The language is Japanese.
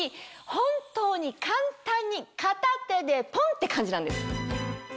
本当に簡単に片手でポンって感じなんです。